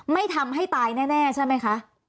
ไม่ทำให้ตายแน่ใช่ไหมคะ